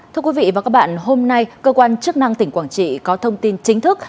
thưa quý vị và các bạn hôm nay cơ quan chức năng tỉnh quảng trị có thông tin chính thức